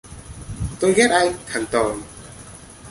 tôi ghét anh thằng tồi